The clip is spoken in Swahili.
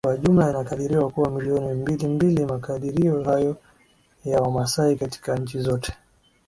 kwa jumla inakadiriwa kuwa milioni mbili mbili Makadirio hayo ya Wamasai katika nchi zote